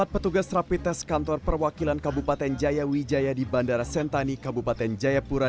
empat petugas rapi tes kantor perwakilan kabupaten jaya wijaya di bandara sentani kabupaten jayapura